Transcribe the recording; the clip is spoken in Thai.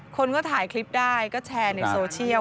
คนก็ถ่ายคลิปได้ก็แชร์ในโซเชียล